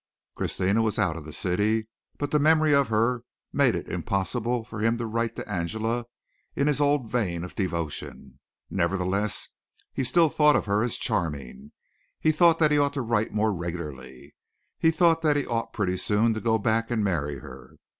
Christina was out of the city, but the memory of her made it impossible for him to write to Angela in his old vein of devotion. Nevertheless he still thought of her as charming. He thought that he ought to write more regularly. He thought that he ought pretty soon to go back and marry her.